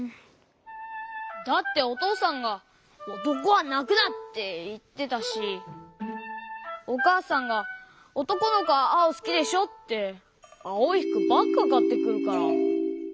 だっておとうさんが「おとこはなくな！」っていってたしおかあさんが「おとこのこはあおすきでしょ」ってあおいふくばっかかってくるから。